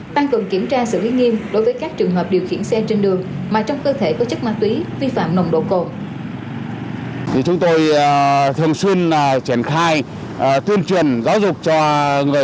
tăng cường kiểm tra xử lý nghiêm đối với các trường hợp điều khiển xe trên đường